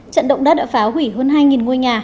trận động đất đã phá hủy hơn hai ngôi nhà